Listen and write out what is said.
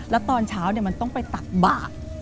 แล้วตอนเช้ามันต้องไปตักบาก